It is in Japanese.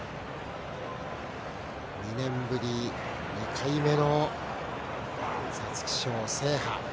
２年ぶり２回目の皐月賞制覇。